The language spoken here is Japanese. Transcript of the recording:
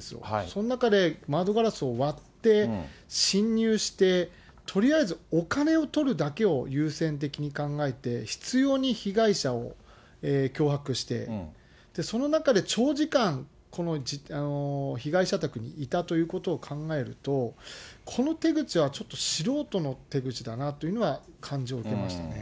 その中で窓ガラスを割って侵入して、とりあえずお金をとるだけを優先的に考えて、執ように被害者を脅迫して、その中で長時間、この被害者宅にいたということを考えると、この手口は、ちょっと素人の手口だなというのは感じを受けましたね。